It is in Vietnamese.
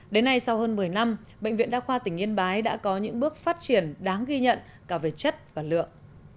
đến nay sau hơn một mươi năm bệnh viện đa khoa tỉnh yên bái đã có những bước phát triển đáng ghi nhận cả về chất và lượng